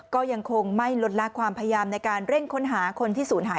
ก็ยังคงไม่ลดละความพยายามในการเร่งค้นหาคนที่ศูนย์หาย